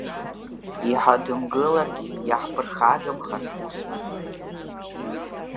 Иҳадымгыларгьы иаҳԥырхагамхар усми.